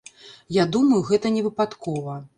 Я думаю, гэта не выпадкова.